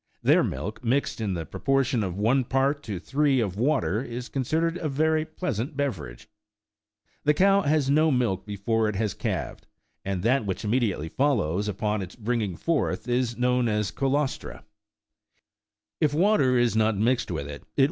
Their milk, mixed in the pro portion of one part to three of water, is considered a very pleasant beverage. The cow has no milk before it has calved, and that which immediately follows upon its bringing forth is known as the " colostra :" 22 if water is not mixed with it, it will 21 This assertion is borrowed from Aristotle, Hist.